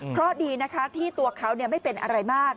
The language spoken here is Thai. เพราะดีนะคะที่ตัวเขาไม่เป็นอะไรมาก